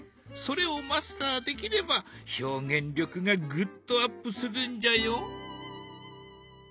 それをマスターできれば表現力がぐっとアップするんじゃよ。